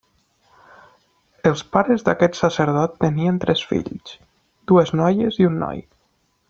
Els pares d'aquest sacerdot tenien tres fills: dues noies i un noi.